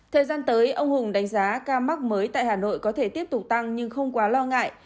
thời gian tới ông hùng đánh giá ca mắc mới tại hà nội có thể tiếp tục tăng nhưng không quá lo ngại